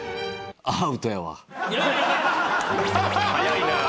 早いな。